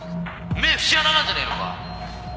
目節穴なんじゃねえのか？